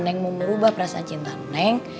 neng mau berubah perasaan cinta neng